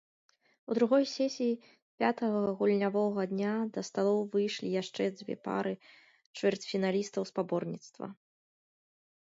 У другой сесіі пятага гульнявога дня да сталоў выйшлі яшчэ дзве пары чвэрцьфіналістаў спаборніцтва.